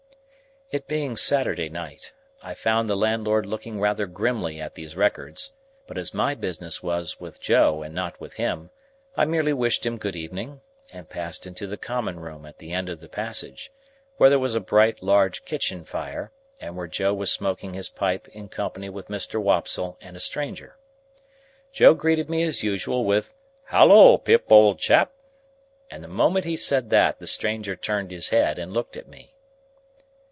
It being Saturday night, I found the landlord looking rather grimly at these records; but as my business was with Joe and not with him, I merely wished him good evening, and passed into the common room at the end of the passage, where there was a bright large kitchen fire, and where Joe was smoking his pipe in company with Mr. Wopsle and a stranger. Joe greeted me as usual with "Halloa, Pip, old chap!" and the moment he said that, the stranger turned his head and looked at me.